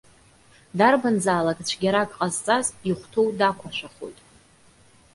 Дарбанзаалак, цәгьарак ҟазҵаз, ихәҭоу дақәыршәахоит.